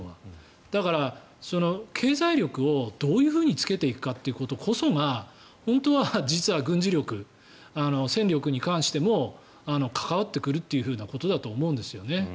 だから、経済力をどういうふうにつけていくかということこそが本当は実は軍事力、戦力に関しても関わってくるということだと思うんですよね。